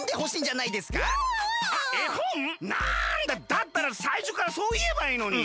だったらさいしょからそういえばいいのに。